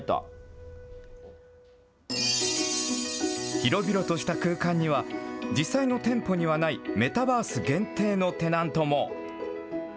広々とした空間には、実際の店舗にはないメタバース限定のテナントも。